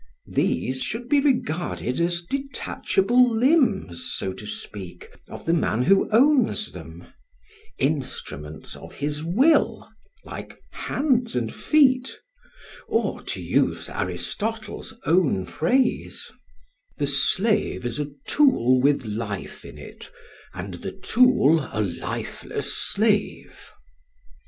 These should be regarded as detachable limbs, so to speak, of the man who owns them, instruments of his will, like hands and feet; or, to use Aristotle's own phrase, "the slave is a tool with life in it, and the tool a lifeless slave."